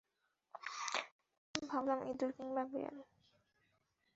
প্রথম ভাবলাম ইঁদুর কিংবা বেড়াল।